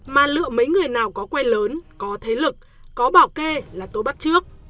mà lựa mấy người nào có quen lớn có thế lực có bảo kê là tôi bắt trước